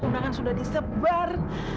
undangan sudah disebar